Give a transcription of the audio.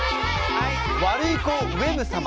ワルイコウェブ様。